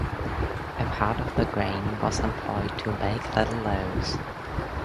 A part of the grain was employed to bake little loaves.